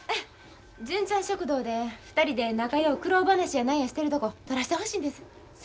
純ちゃん食堂で２人で仲よう苦労話や何やしてるとことらしてほしいんです。